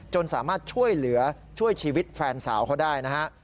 สามารถช่วยเหลือช่วยชีวิตแฟนสาวเขาได้นะฮะ